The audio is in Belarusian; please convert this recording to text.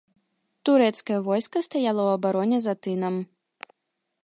Турэцкае войска стаяла ў абароне за тынам.